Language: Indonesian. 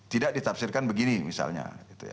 tidak ditafsirkan begini misalnya